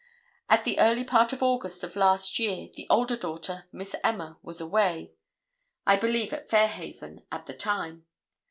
In the early part of August of last year the older daughter, Miss Emma, was away, I believe at Fairhaven at the time.